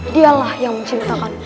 dialah yang mencintakan